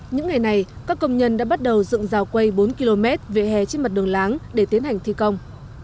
những ngày này các công nhân đã bắt đầu dựng rào quây bốn km vỉa hè trên mặt đường láng để tiến hành thi công